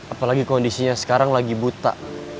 apalagi kondisinya sekarang lagi buta